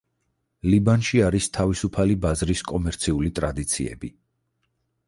ლიბანში არის თავისუფალი ბაზრის კომერციული ტრადიციები.